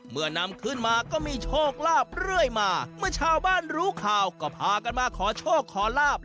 นำขึ้นมาก็มีโชคลาภเรื่อยมาเมื่อชาวบ้านรู้ข่าวก็พากันมาขอโชคขอลาบ